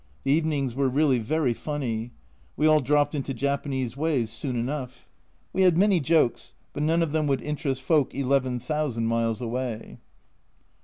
The evenings were really very funny. We all dropped into Japanese ways soon enough. We had many jokes, but none of them would interest folk eleven thousand miles away.